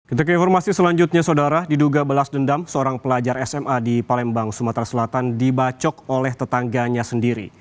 untuk informasi selanjutnya saudara diduga belas dendam seorang pelajar sma di palembang sumatera selatan dibacok oleh tetangganya sendiri